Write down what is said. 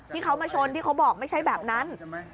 ที่เขามาชนที่เขาบอกไม่ใช่แบบนั้น